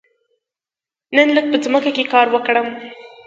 نن لږ په ځمکه کې کار وکړم.